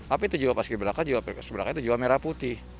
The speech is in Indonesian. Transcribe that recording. apa itu jiwa paski beraka jiwa paski beraka itu jiwa merah putih